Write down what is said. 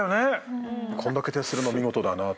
こんだけ徹するの見事だなってね。